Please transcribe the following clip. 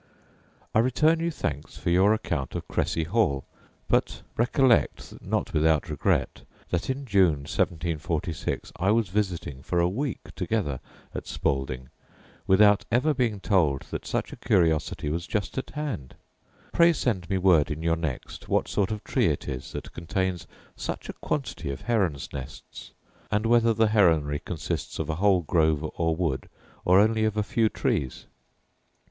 I return you thanks for your account of Cressi hall; but recollect, not without regret, that in June 1746 I was visiting for a week together at Spalding, without ever being told that such a curiosity was just at hand. Pray send me word in your next what sort of tree it is that contains such a quantity of herons' nests; and whether the heronry consists of a whole grove or wood, or only of a few trees.